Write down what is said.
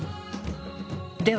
では